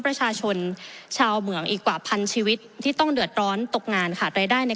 ประชาชนชาวเหมืองอีกกว่าพันชีวิตที่ต้องเดือดร้อนตกงานค่ะรายได้ใน